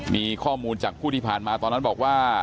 มีข้อมูลจากผู้ที่ผ่านมาตอนนั้นบอกว่า